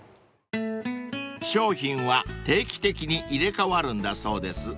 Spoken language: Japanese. ［商品は定期的に入れ替わるんだそうです］